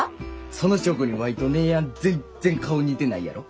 その証拠にワイと姉やん全然顔似てないやろ。